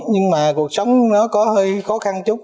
nhưng mà cuộc sống nó có hơi khó khăn chút